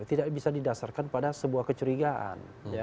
tidak bisa didasarkan pada sebuah kecurigaan